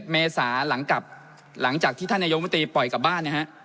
เมษาหลังจากที่ท่านนายกมตรีปล่อยกลับบ้านนะฮะ